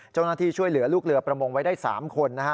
เจ้าหน้าที่ช่วยเหลือลูกเรือประมงไว้ได้๓คนนะฮะ